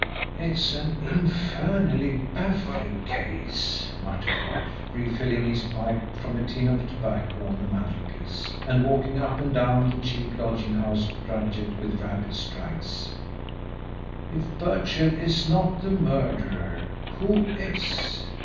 "It's an infernally baffling case," muttered Rolfe, refilling his pipe from a tin of tobacco on the mantelpiece, and walking up and down the cheap lodging house drugget with rapid strides. "If Birchill is not the murderer who is?